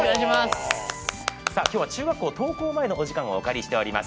今日は中学校登校前のお時間をお借りしてます。